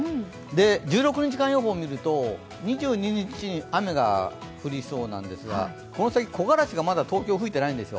１６日間予報を見ると２２日に雨が降りそうなんですがこの先、木枯らしがまだ東京吹いていないんですよ。